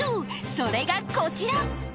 それがこちら。